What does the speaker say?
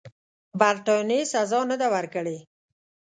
برټانیې سزا نه ده ورکړې.